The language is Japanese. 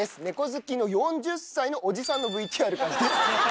猫好きの４０歳のおじさんのＶＴＲからです。